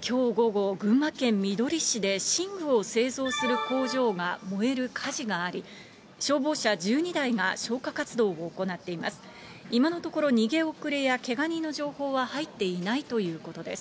きょう午後、群馬県みどり市で、寝具を製造する工場が燃える火事があり、消防車１２台が消火活動を行っています。